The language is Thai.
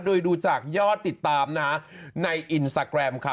โดยดูจากยอดติดตามในอินสตาแกรมค่ะ